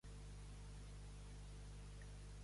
Suca, suca, Marieta, que val més el suc que la sardineta.